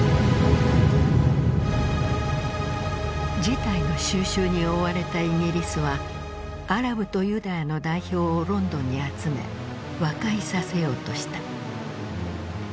事態の収拾に追われたイギリスはアラブとユダヤの代表をロンドンに集め和解させようとした。